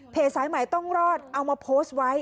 สายใหม่ต้องรอดเอามาโพสต์ไว้